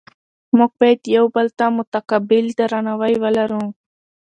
موږ باید یو بل ته متقابل درناوی ولرو